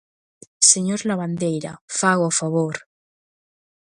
_Señor Lavandeira, faga o favor...